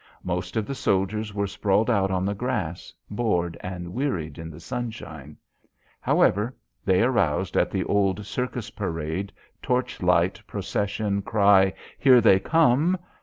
Most of the soldiers were sprawled out on the grass, bored and wearied in the sunshine. However, they aroused at the old circus parade, torch light procession cry, "Here they come."